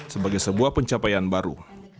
sebagai sebuah pencapaian baru